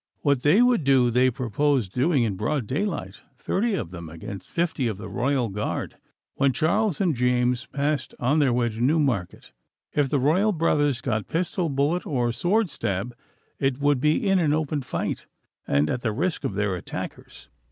What they would do they purposed doing in broad daylight, thirty of them against fifty of the Royal Guard, when Charles and James passed on their way to Newmarket. If the royal brothers got pistol bullet or sword stab, it would be in open fight, and at the risk of their attackers.